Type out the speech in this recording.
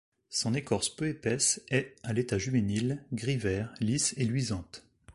Son écorce peu épaisse est, à l'état juvénile, gris-vert, lisse et luisante.